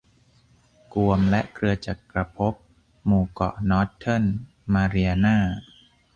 กวมและเครือจักรภพหมู่เกาะนอร์ธเทิร์นมาเรียนา